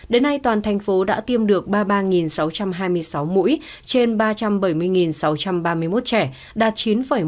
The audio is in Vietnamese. đến nay toàn thành phố đã tiêm được ba mươi ba sáu trăm hai mươi sáu mũi trên ba trăm bảy mươi sáu trăm ba mươi một trẻ đạt chín một mươi